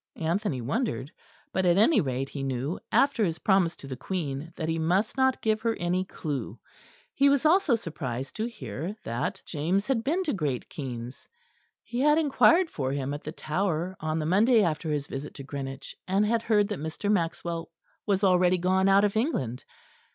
Anthony wondered; but at any rate he knew, after his promise to the Queen, that he must not give her any clue. He was also surprised to hear that James had been to Great Keynes. He had inquired for him at the Tower on the Monday after his visit to Greenwich, and had heard that Mr. Maxwell was already gone out of England.